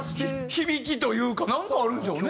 響きというかなんかあるんでしょうね。